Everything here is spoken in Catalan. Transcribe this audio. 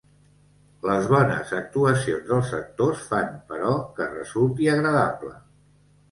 Les bones actuacions dels actors fan, però, que resulti agradable.